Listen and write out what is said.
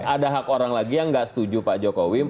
ada hak orang lagi yang nggak setuju pak jokowi